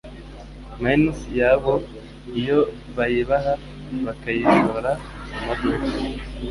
Mines yabo iyo bayibaha, bakayishora mu maduka